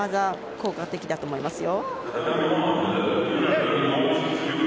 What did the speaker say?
効果的だと思いますよ。